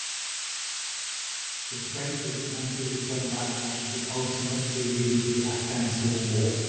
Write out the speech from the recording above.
The strength of the anti-reform backlash would ultimately lead to the Afghan civil war.